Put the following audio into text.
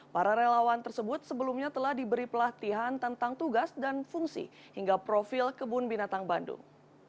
para relawan tersebut sebelumnya telah diberi pelatihan tentang tugas dan fungsi hingga profil kebun binatang bandung